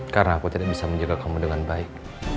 karena aku tidak bisa menjaga kamu dengan baik